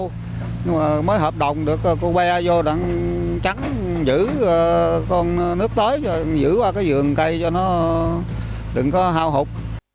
nhưng mà mới hợp đồng được cô bé vô đẳng trắng giữ con nước tới giữ qua cái vườn cây cho nó đừng có hao hụt